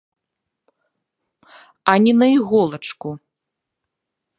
А ні на іголачку.